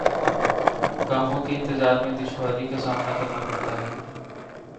کاموں کے انتظام میں دشواری کا سامنا کرنا پڑتا تھا